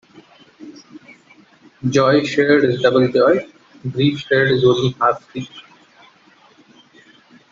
Joy shared is double joy; grief shared is only half grief.